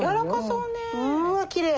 うわきれい！